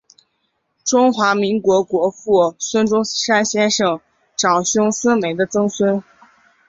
中华民国国父孙中山先生长兄孙眉的曾孙。